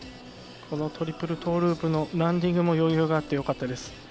このトリプルトーループのランディングも余裕があってよかったです。